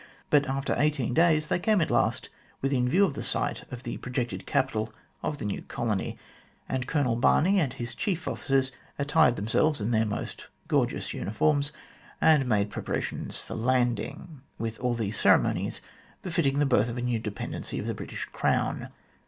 But after eighteen days they came at last within view of the site of the projected capital of the new colony, and Colonel Barney and his chief officers attired themselves in their most gorgeous uniforms, and made preparations for landing with all the ceremonies befitting the birth of a new dependency of the British Crown.